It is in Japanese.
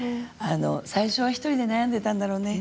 最初は１人で悩んでいたんだろうね。